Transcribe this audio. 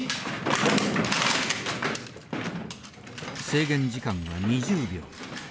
制限時間は２０秒。